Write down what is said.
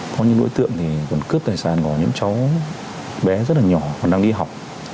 có những đối tượng thì còn cướp tài sản của những cháu bé rất là nhỏ còn đang đi học